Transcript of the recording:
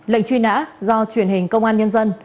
lệnh truy nã do truyền hình công an nhân dân